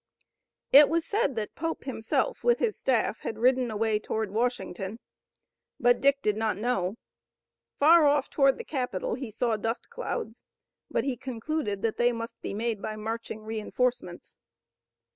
It was said that Pope himself with his staff had ridden away toward Washington, but Dick did not know. Far off toward the capital he saw dust clouds, but he concluded that they must be made by marching reinforcements.